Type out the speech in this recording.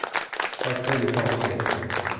บริษัทเครดิตฟองซิเอร์